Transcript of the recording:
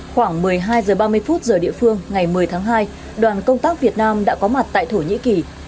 khoảng một mươi hai h ba mươi giờ địa phương ngày một mươi tháng hai đoàn công tác việt nam đã có mặt tại thổ nhĩ kỳ